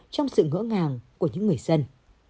trong sự ngỡ ngàng của những người dân